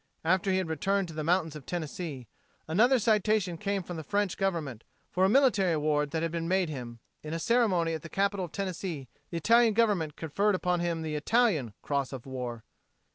After he had returned to the mountains of Tennessee, another citation came from the French Government for a military award that had been made him, and in a ceremony at the capital of Tennessee the Italian Government conferred upon him the Italian Cross of War.